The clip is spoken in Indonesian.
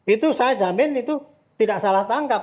itu saya jamin itu tidak salah tangkap